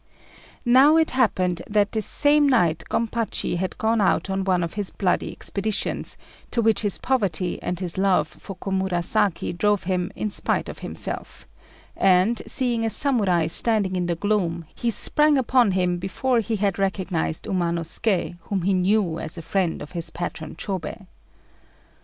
Now it happened that this same night Gompachi had gone out on one of his bloody expeditions, to which his poverty and his love for Komurasaki drove him in spite of himself, and, seeing a Samurai standing in the gloom, he sprang upon him before he had recognized Umanosuké, whom he knew as a friend of his patron Chôbei.